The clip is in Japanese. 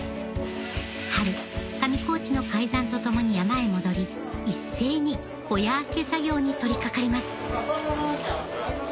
春上高地の開山とともに山へ戻り一斉に小屋開け作業に取りかかります